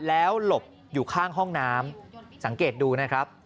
แล้วหลบอยู่ข้างห้องน้ำสังเกตดูนะครับ